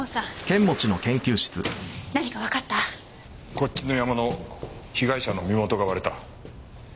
こっちのヤマの被害者の身元が割れた。